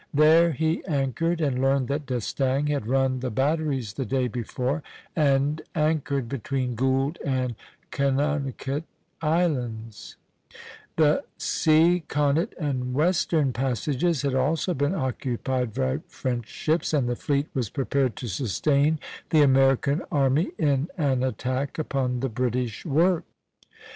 There he anchored, and learned that D'Estaing had run the batteries the day before and anchored between Gould and Canonicut Islands; the Seakonnet and Western passages had also been occupied by French ships, and the fleet was prepared to sustain the American army in an attack upon the British works.